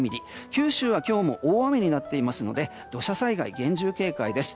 九州は今日も大雨になっていますので土砂災害厳重警戒です。